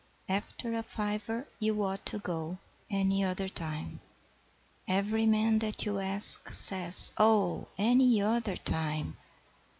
After a fiver you ought to go Any other time. Every man that you ask says 'Oh, Any OTHER time.